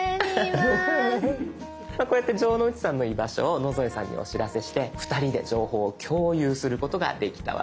こうやって城之内さんの居場所を野添さんにお知らせして２人で情報を共有することができたわけです。